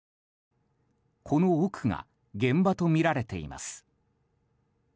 この奥が現場とみられています。